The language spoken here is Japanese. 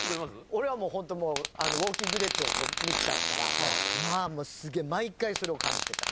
俺はもうホント『ウォーキング・デッド』を見てたからまあもうすげえ毎回それを感じてた。